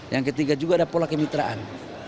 yang ketiga juga ada pola kemitraan